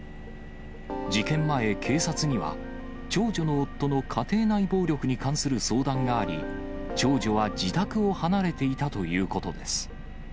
事件前、警察には、長女の夫の家庭内暴力に関する相談があり、長女は自宅を離れていたということです。